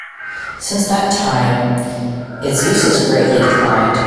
Since that time, its use has greatly declined.